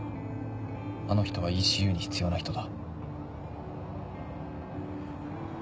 あの人はＥＣＵに必要な人だ。